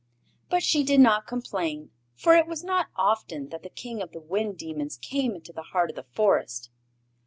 But she did not complain, for it was not often that the King of the Wind Demons came into the heart of the Forest.